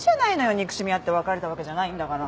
憎しみ合って別れたわけじゃないんだから。